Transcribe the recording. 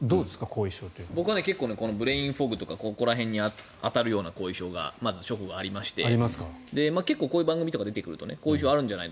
僕はブレインフォグとかここら辺に当たるような後遺症が直後にありまして結構、こういう番組とか出てるとこういうのあるんじゃない？